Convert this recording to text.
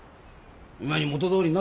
今に元どおりにな。